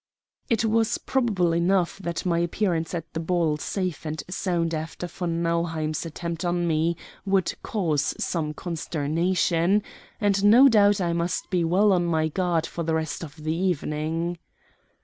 It was probable enough that my appearance at the ball safe and sound after von Nauheim's attempt on me would cause some consternation, and no doubt I must be well on my guard for the rest of the evening.